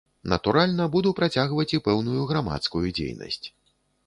Натуральна, буду працягваць і пэўную грамадскую дзейнасць.